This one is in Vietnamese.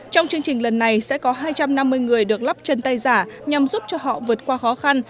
trong chương trình lần này sẽ có hai trăm năm mươi người được lắp chân tay giả nhằm giúp cho họ vượt qua khó khăn